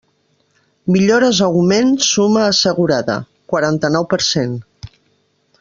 Millores augment summa assegurada: quaranta-nou per cent.